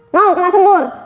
mau kena sembur